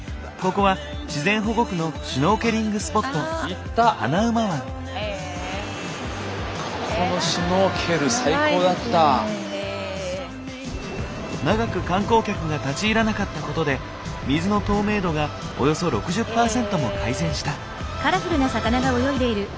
ここは自然保護区のシュノーケリングスポット長く観光客が立ち入らなかったことで水の透明度がおよそ６０％も改善した。